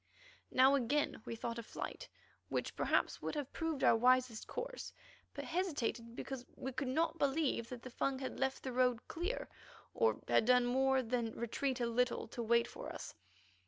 Now again we thought of flight, which perhaps would have proved our wisest course, but hesitated because we could not believe that the Fung had left the road clear, or done more than retreat a little to wait for us.